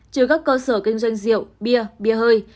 trừ các cơ sở kinh doanh rượu bia bia hơi